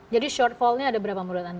jadi shortfall nya ada berapa menurut anda